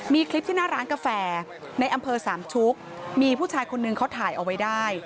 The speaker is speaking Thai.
มีคลิปที่หน้าร้านกาแฟในอำเภอสามชุกมีผู้ชายคนนึงเขาถ่ายเอาไว้ได้